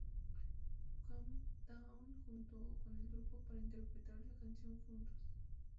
Countdown" junto con el grupo para interpretar la canción juntos.